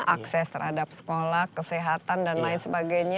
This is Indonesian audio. akses terhadap sekolah kesehatan dan lain sebagainya